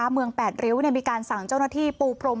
เมืองแปดริ้ว์มีการสั่งเจ้าหน้าที่ปูพลม